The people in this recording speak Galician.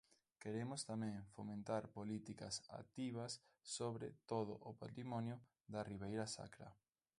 Queremos tamén fomentar políticas activas sobre todo o patrimonio da Ribeira Sacra.